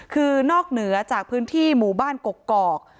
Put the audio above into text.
คือนอกเหนือจากพื้นที่หมู่บ้านกกอก